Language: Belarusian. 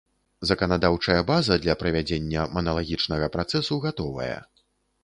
Заканадаўчая база для правядзення маналагічнага працэсу гатовая.